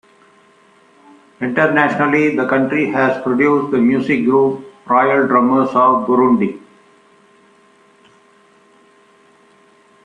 Internationally, the country has produced the music group Royal Drummers of Burundi.